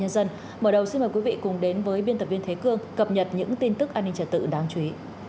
xin mời quý vị cùng đến với biên tập viên thế cương cập nhật những tin tức an ninh trả tự đáng chú ý